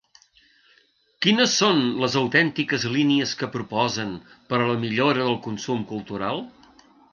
Quines són les autèntiques línies que proposen per a la millora del consum cultural?